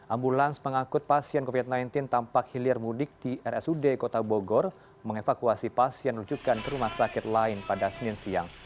ambulans pengangkut pasien covid sembilan belas tampak hilir mudik di rsud kota bogor mengevakuasi pasien rujukan ke rumah sakit lain pada senin siang